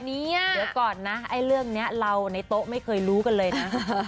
เดี๋ยวก่อนนะไอ้เรื่องนี้เราในโต๊ะไม่เคยรู้กันเลยนะ